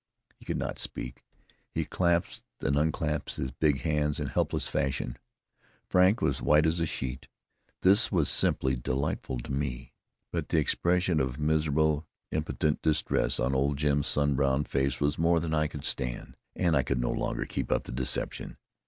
He could not speak; he clasped and unclasped his big hands in helpless fashion. Frank was as white as a sheet. This was simply delightful to me. But the expression of miserable, impotent distress on old Jim's sun browned face was more than I could stand, and I could no longer keep up the deception.